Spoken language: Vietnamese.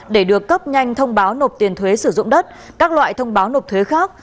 để được cấp nhanh thông báo nộp tiền thuế sử dụng đất các loại thông báo nộp thuế khác